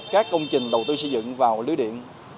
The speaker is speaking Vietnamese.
các công trình đầu tư xây dựng vào lưới điện